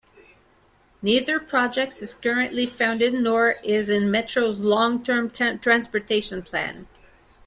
Neither project is currently funded nor is in Metro's Long Term Transportation Plan.